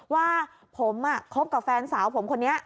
ว่าผมคบกับแฟนสาวผมคนนี้